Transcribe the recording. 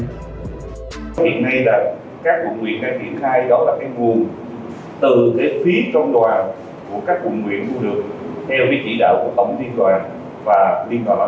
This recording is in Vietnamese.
hiện nay là các quận nguyện đang biển khai đó là cái nguồn